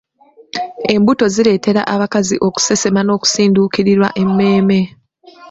Embuto zileetera abakazi okusesema n'okusinduukirirwa emmeeme.